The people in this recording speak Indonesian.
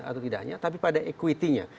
atau tidaknya tapi pada equity nya